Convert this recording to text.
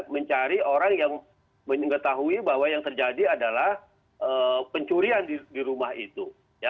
mencari orang yang mengetahui bahwa yang terjadi adalah pencurian di rumah itu